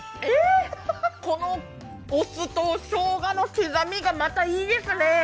えっ、このお酢としょうがの刻みがまた、いいですね。